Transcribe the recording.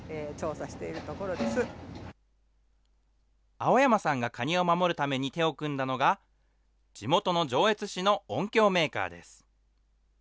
青山さんがカニを守るために手を組んだのが、地元の上越市の音響メーカーです。